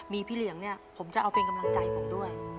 มีพี่เหลียงเนี่ยผมจะเอาเป็นกำลังใจผมด้วย